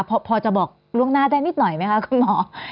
พอจะบอกล่วงหน้าได้นิดหน่อยไหมคะคุณหมอ